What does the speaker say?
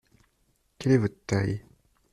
Quelle est votre taille ?